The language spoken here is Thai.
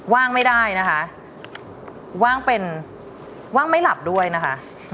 ว่างไม่ได้นะคะว่างเป็นว่างไม่หลับด้วยนะคะ